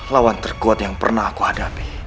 lawan terkuat yang pernah aku hadapi